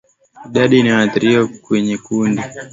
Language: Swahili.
Idadi inayoathiriwa kwenye kundi